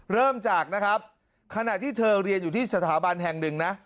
เริ่มจากนะครับขณะที่เธอเรียนอยู่ที่สถาบันแห่งหนึ่งนะ